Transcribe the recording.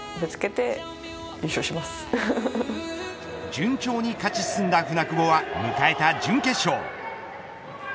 順調に勝ち進んだ舟久保は迎えた準決勝。